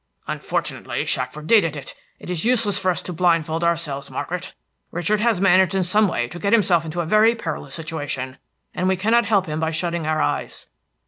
"Unfortunately, Shackford dated it. It is useless for us to blindfold ourselves, Margaret. Richard has managed in some way to get himself into a very perilous situation, and we cannot help him by shutting our eyes.